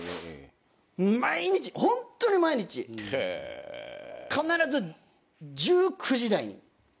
毎日ホントに毎日必ず１９時台に。